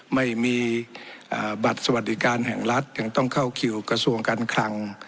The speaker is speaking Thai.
ไม่มีบัตรสวัสดิการแห่งรัฐยังต้องเข้าคิวกระทรวงการคลัง